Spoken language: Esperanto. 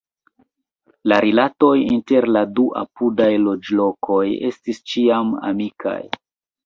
La rilatoj inter la du apudaj loĝlokoj estis ĉiam amikaj.